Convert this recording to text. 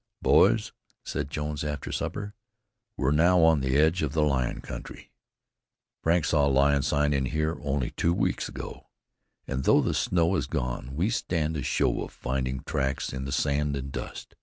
"Boys," said Jones after supper, "we're now on the edge of the lion country. Frank saw lion sign in here only two weeks ago; and though the snow is gone, we stand a show of finding tracks in the sand and dust.